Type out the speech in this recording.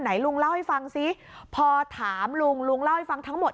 ลุงเล่าให้ฟังซิพอถามลุงลุงเล่าให้ฟังทั้งหมด